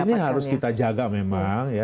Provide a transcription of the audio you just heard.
dan ini harus kita jaga memang ya